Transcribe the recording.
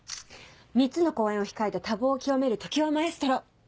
「３つの公演を控えて多忙を極める常葉マエストロ」。